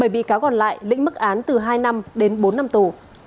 bảy bị cáo còn lại lĩnh mức án từ hai năm đến bốn năm tù